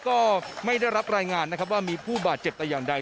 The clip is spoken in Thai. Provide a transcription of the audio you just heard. ก็ไม่ได้รับรายงานนะครับว่ามีผู้บาดเจ็บแต่อย่างใด